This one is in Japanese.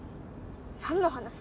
何の話？